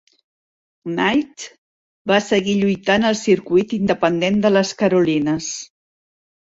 Knight va seguir lluitant al circuit independent de Les Carolines.